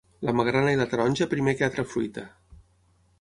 La magrana i la taronja primer que altra fruita.